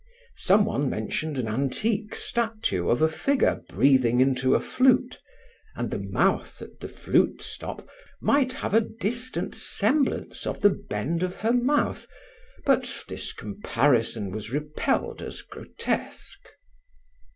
Some one mentioned an antique statue of a figure breathing into a flute: and the mouth at the flutestop might have a distant semblance of the bend of her mouth, but this comparison was repelled as grotesque.